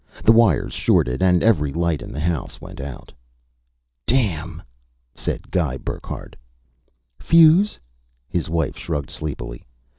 The wires shorted and every light in the house went out. "Damn!" said Guy Burckhardt. "Fuse?" His wife shrugged sleepily.